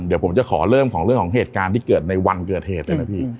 เดี๋ยวผมจะขอเริ่มของเรื่องของเหตุการณ์ที่เกิดในวันเกิดเหตุเลยนะพี่